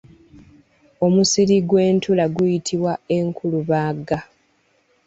Omusiri gw'entula guyitibwa enkulubagga.